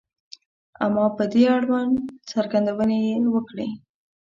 • اما په دې اړوند څرګندونې یې وکړې.